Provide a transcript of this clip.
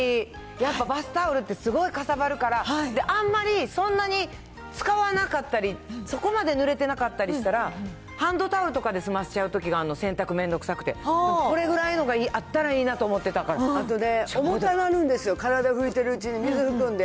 やっぱバスタオルってすごくかさばるから、あんまり、そんなに使わなかったり、そこまでぬれてなかったりしたら、ハンドタオルとかで済ましちゃうときがあるの、洗濯めんどくさくて。これぐらいのがあったらいいなと重たなるんですよ、体拭いてるうちに水含んで。